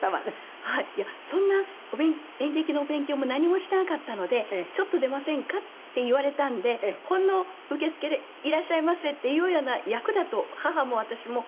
そんな演劇のお勉強も何もしていなかったので「ちょっと出ませんか？」って言われたんでほんの受付でいらっしゃいませっていうような役だと母も私も思っていて。